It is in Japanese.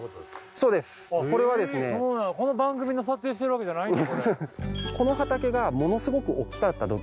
そうなんやこの番組の撮影してるわけじゃないんや。